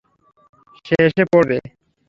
সে এসে পড়বে।